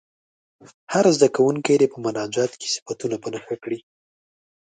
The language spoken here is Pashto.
هر زده کوونکی دې په مناجات کې صفتونه په نښه کړي.